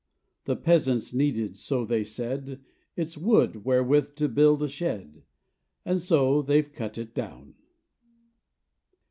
The peasants needed, so they said, Its wood wherewith to build a shed, And so they've cut it down.